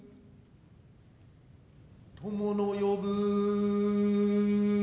「友の呼ぶ」